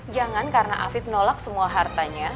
jangan karena afif menolak semua hartanya